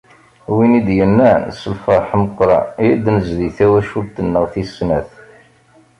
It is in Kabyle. Win i d-yennan: “S lferḥ meqqren i d-nezdi tawcult-nneɣ tis snat."